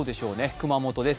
熊本です。